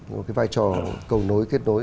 một cái vai trò cầu nối kết nối